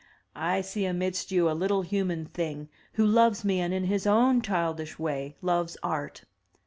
I see amidst you a little human thing who loves me and in his own childish way loves Art.